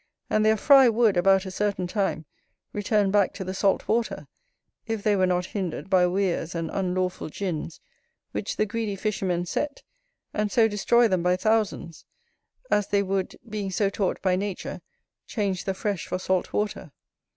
And their fry would, about a certain time, return back to the salt water, if they were not hindered by weirs and unlawful gins, which the greedy fishermen set, and so destroy them by thousands; as they would, being so taught by nature, change the fresh for salt water.